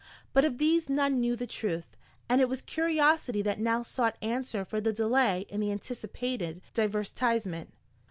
But of these none knew the truth, and it was curiosity that now sought answer for the delay in the anticipated divertisement.